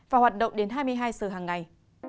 và hoạt động đến hai mươi hai giờ hàng ngày